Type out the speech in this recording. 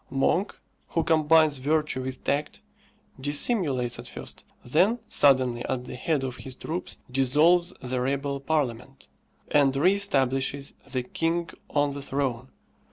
Monk, who combines virtue with tact, dissimulates at first, then suddenly at the head of his troops dissolves the rebel parliament, and re establishes the king on the throne.